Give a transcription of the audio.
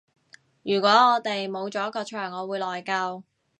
如果我哋冇咗個場我會內疚